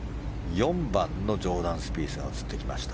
４番のジョーダン・スピースが映ってきました。